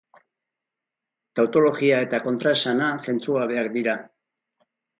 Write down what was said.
Tautologia eta kontraesana zentzugabeak dira.